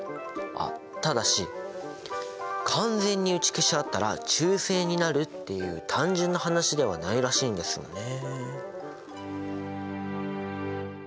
あっただし完全に打ち消し合ったら中性になるっていう単純な話ではないらしいんですよね。